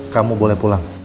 kamu boleh pulang